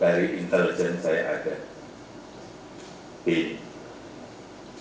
dari intelijen saya ada bin